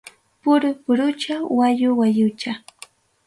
Puru purucha wayu wayucha.